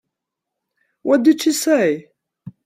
What did she say?